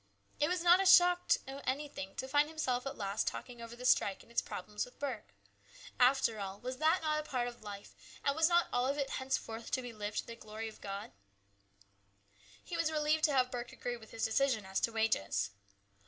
It was not a shock to anything to find himself at last talking over the strike and its problems with Burke. After all, was that not a part of life, and was not all of it henceforth to be lived to the glory of God? A CHANGE. Ill He was relieved to have Burke agree with his decision as to wages.